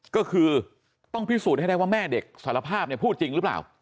ก็คือต้องพิสูจน์ให้ได้ว่าแม่เด็กสารภาพพูดจริงหรือเปล่า